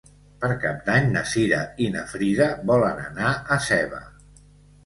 Per Cap d'Any na Cira i na Frida volen anar a Seva.